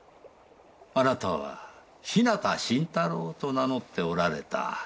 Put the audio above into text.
あなたは日向新太郎と名乗っておられた。